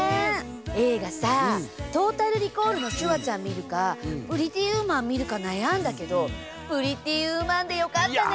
映画さ「トータル・リコール」のシュワちゃん見るか「プリティ・ウーマン」見るか悩んだけど「プリティ・ウーマン」でよかったね！